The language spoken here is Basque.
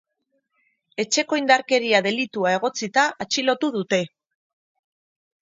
Etxeko indarkeria delitua egotzita atxilotu dute.